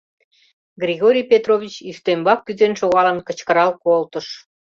Григорий Петрович, ӱстембак кӱзен шогалын, кычкырал колтыш: